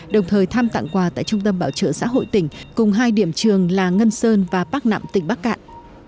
đồng thời thăm tặng quà tại trung tâm bảo trợ xã hội tỉnh cùng hai điểm trường là ngân sơn và bắc nẵm tỉnh bắc cạn